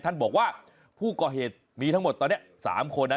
ท่านบอกว่าผู้ก่อเหตุมีทั้งหมดตอนนี้๓คนนะ